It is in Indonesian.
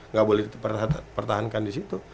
nggak boleh dipertahankan di situ